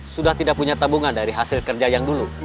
sudah tidak punya tabungan dari hasil kerja yang dulu